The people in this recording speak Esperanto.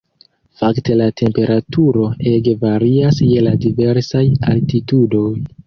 Fakte la temperaturo ege varias je la diversaj altitudoj.